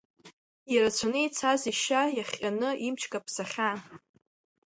Ирацәаны ицаз ишьа иахҟьаны имч каԥсахьан.